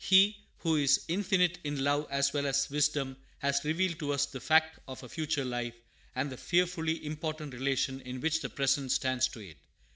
He who is infinite in love as well as wisdom has revealed to us the fact of a future life, and the fearfully important relation in which the present stands to it.